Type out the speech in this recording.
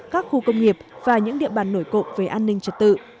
các khu công nghiệp và những địa bàn nổi cộng về an ninh trật tự